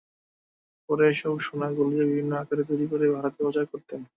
পরে এসব সোনা গলিয়ে বিভিন্ন আকারে তৈরি করে ভারতে পাচার করতেন।